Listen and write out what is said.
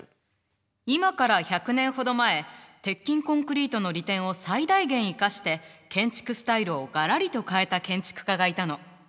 今から１００年ほど前鉄筋コンクリートの利点を最大限生かして建築スタイルをガラリと変えた建築家がいたの。